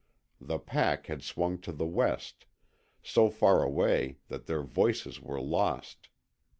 The pack had swung to the west so far away that their voices were lost.